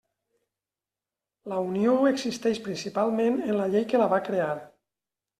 La Unió existeix principalment en la llei que la va crear.